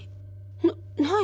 なない？